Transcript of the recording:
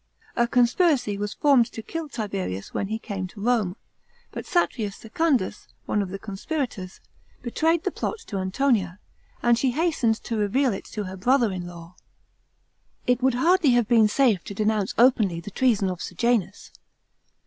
A conspiracy was formed to kill Tiberius when he came to Rome, but Satrius Secundus, one of the conspiiators, betrayed the plot to Antonia, and she hastened to reveal it to her brother in law. It would hardly have been safe to denounce openly the treason of Sejanus.